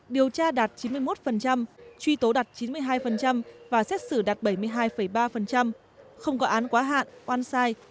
điều tra đạt chín mươi một truy tố đạt chín mươi hai và xét xử đạt bảy mươi hai ba không có án quá hạn oan sai